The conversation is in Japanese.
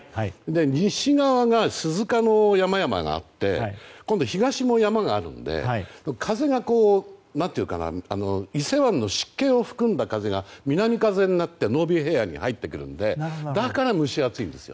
西側が鈴鹿の山々があって今度、東の山があるので伊勢湾の湿気をふくんだ風が南風になって濃尾平野に入ってくるのでだから蒸し暑いんです。